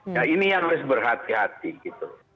ya ini yang harus berhati hati gitu